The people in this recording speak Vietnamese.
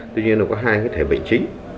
tuy nhiên nó có hai cái thể bệnh chính